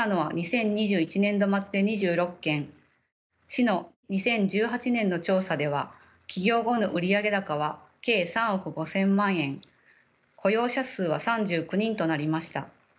市の２０１８年の調査では起業後の売上高は計３億５，０００万円雇用者数は３９人となりました。